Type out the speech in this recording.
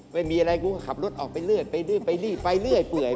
ไม่มีอะไรกูก็ขับรถออกไปเลือดไปเลือดไปนี่ไปเลือด